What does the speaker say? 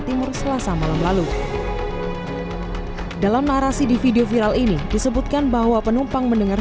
timur selasa malam lalu dalam narasi di video viral ini disebutkan bahwa penumpang mendengar